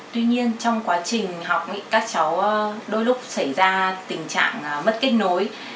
tuy nhiên trong quá trình học các cháu đôi lúc xảy ra tình trạng mất kết nối